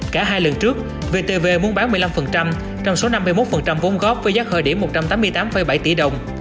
cả hai lần trước vtv muốn bán một mươi năm trong số năm mươi một vốn góp với giá khởi điểm một trăm tám mươi tám bảy tỷ đồng